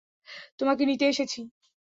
তোমাকে নিতে এসেছি।